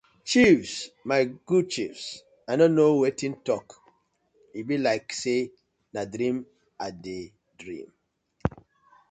Chiefs my good chiefs I no kno wetin tok e bi like say na dream I dey dream.